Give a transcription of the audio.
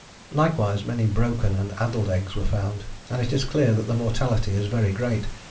Likewise many broken and addled eggs were found, and it is clear that the mortality is very great.